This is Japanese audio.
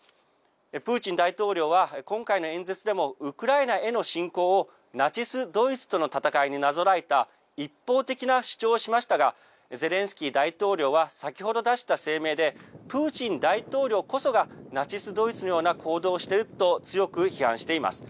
プーチン大統領は今回の演説でもウクライナへの侵攻をナチス・ドイツとの戦いになぞらえた一方的な主張をしましたがゼレンスキー大統領は先ほど出した声明でプーチン大統領こそがナチス・ドイツのような行動をしていると強く批判しています。